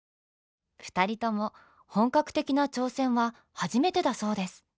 ２人とも本格的な挑戦は初めてだそうです。